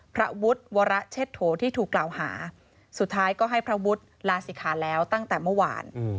พระวุฒิวรเชษโถที่ถูกกล่าวหาสุดท้ายก็ให้พระวุฒิลาศิขาแล้วตั้งแต่เมื่อวาน